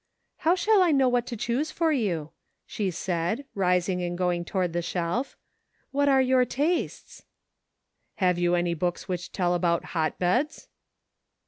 " How shall I know what to choose for you ?" she said, rising and going toward the shelf. " What are your tastes ?"" Have you any books which tell about hotbeds